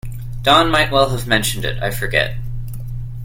Don might well have mentioned it; I forget.